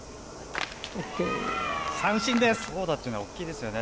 三振です。